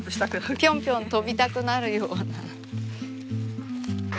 ぴょんぴょん跳びたくなるような。